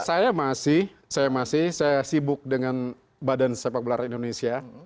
saya masih saya masih saya sibuk dengan badan sepak bola indonesia